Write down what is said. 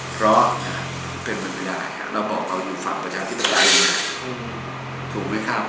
เพราะเป็นบรรยายหย่อนโอบอกเราอยู่ฝั่งประชาธิปไตยถูกไหมครับ